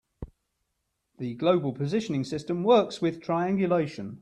The global positioning system works with triangulation.